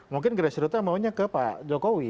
mungkin grassrootnya maunya ke pak jokowi